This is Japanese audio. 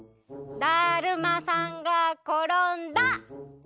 だるまさんがころんだ！